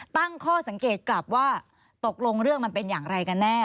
ตั้งข้อสังเกตกลับว่าตกลงเรื่องมันเป็นอย่างไรกันแน่